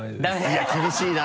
いや厳しいな！